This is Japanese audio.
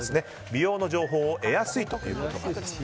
美容の情報を得やすいということです。